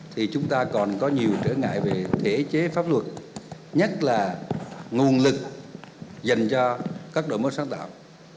thì chúng ta còn có nhiều trở ngại về thể chế pháp luật nhất là nguồn lực dành cho các đổi mới sáng tạo